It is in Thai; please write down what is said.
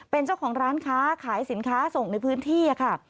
เป็นเจ้าของร้านค้าขายสินค้าส่งในพื้นที่ค่ะ